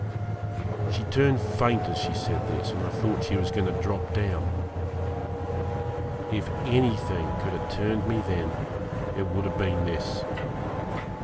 She turned faint as she said this, and I thought she was going to drop down. If anything could have turned me then it would have been this.